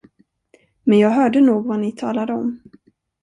Men jag hörde nog vad ni talade om.